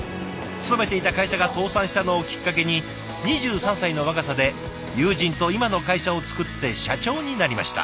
勤めていた会社が倒産したのをきっかけに２３歳の若さで友人と今の会社をつくって社長になりました。